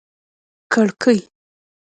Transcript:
کړکۍ